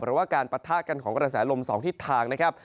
หรือว่าการปะทะกันของกระแสลม๒ทิศทางนะครับ